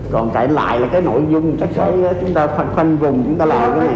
còn cạnh lại là cái nội dung các cái chúng ta khoanh vùng chúng ta lo cái này